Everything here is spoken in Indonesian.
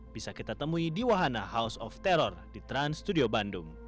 bisa kita temui di wahana house of terror di trans studio bandung